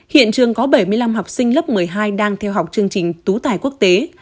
hiện trường có bảy mươi năm học sinh lớp một mươi hai đang theo học chương trình tú tài quốc tế